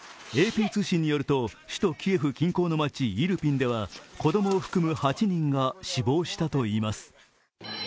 ＡＰ通信によると首都キエフ近郊の町イルピンでは子供を含む８人が死亡したといいます。